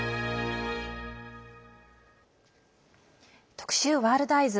特集「ワールドＥＹＥＳ」。